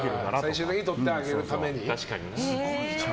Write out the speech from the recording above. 最終的にとってあげるためにね。